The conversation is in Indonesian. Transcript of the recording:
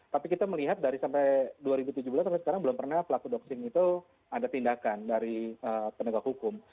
tapi kita melihat dari sampai dua ribu tujuh belas sampai sekarang belum pernah pelaku doxing itu ada tindakan dari penegak hukum